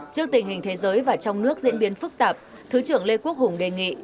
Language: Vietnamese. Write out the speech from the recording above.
trước tình hình thế giới và trong nước diễn biến phức tạp thứ trưởng lê quốc hùng đề nghị